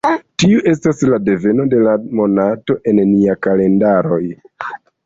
Tiu estas la deveno de la monato en nia kalendaroj.